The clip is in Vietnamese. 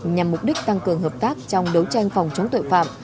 nhằm mục đích tăng cường hợp tác trong đấu tranh phòng chống tội phạm